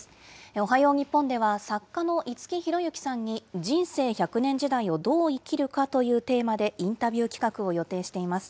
おはよう日本では、作家の五木寛之さんに、人生１００年時代をどう生きるか？というテーマでインタビュー企画を予定しています。